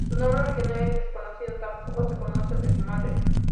Su nombre original es desconocido, tampoco se conoce el de su madre.